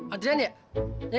adrian ya ya kan